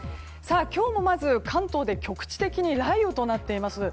今日もまず関東で局地的に雷雨となっています。